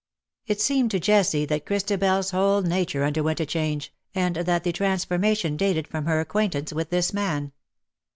It seemed to Jessie that Christabel's whole nature underwent a change, and that the transformation dated from her acquaintance with this man.